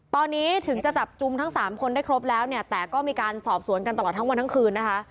ตอนนี้ถึงจะจับจุมทั้งสามคนได้ครบแล้วเนี่ยแต่ก็มีการสอบสวนกันตลอดทั้งวันทั้งคืนนะคะ